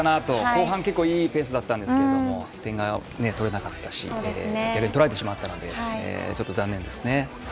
後半、結構いいペースだったんですけど点が取れなかったし、逆に取られてしまったので残念ですね。